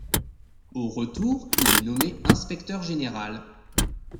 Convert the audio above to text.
Au retour, il est nommé inspecteur général.